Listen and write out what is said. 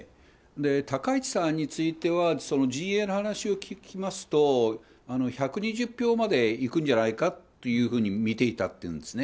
高市さんについては、陣営の話を聞きますと、１２０票までいくんじゃないかというふうに見ていたっていうんですね。